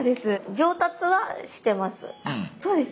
上達はしてます。